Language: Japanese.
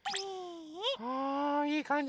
はあいいかんじ